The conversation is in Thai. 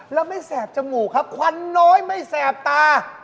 แล้วไม่แสบจมูกครับควันน้อยไม่แสบตา